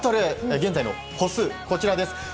現在の歩数こちらです。